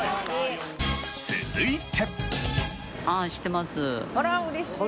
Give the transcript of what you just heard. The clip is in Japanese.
続いて。